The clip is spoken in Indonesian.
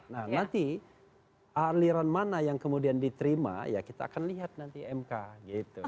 nah nanti aliran mana yang kemudian diterima ya kita akan lihat nanti mk gitu